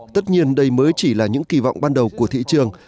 tất nhiên đây mới chỉ là những kỳ vọng ban đầu của thị trường